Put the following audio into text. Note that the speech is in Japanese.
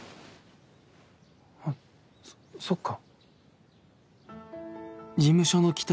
あっそそっか。